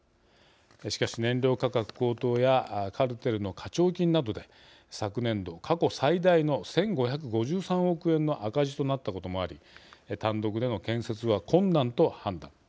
しかし、燃料価格高騰やカルテルの課徴金などで昨年度、過去最大の１５５３億円の赤字となったこともあり単独での建設は困難と判断。